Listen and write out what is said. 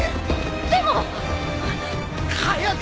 でも！早く！